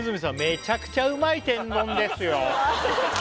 「めちゃくちゃうまい天丼ですよ」